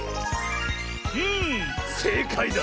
んせいかいだ！